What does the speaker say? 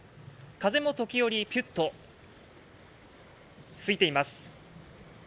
風も時折ぴゅっと吹いています。